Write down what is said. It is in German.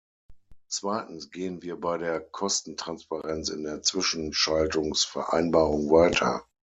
Zweitens gehen wir bei der Kostentransparenz in der Zwischenschaltungs-Vereinbarung weiter.